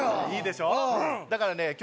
いいでしょだからね